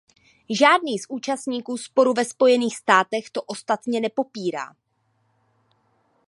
Žádný z účastníků sporu ve Spojených státech to ostatně nepopírá.